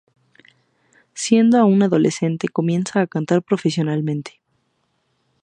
Siendo aún adolescente, comienza a cantar profesionalmente.